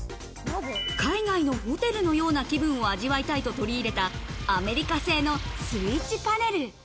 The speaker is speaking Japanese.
海外のホテルのような気分を味わいたいと取り入れたアメリカ製のスイッチパネル。